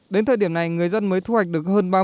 đến thời điểm này người dân mới thu hoạch được hơn một tấn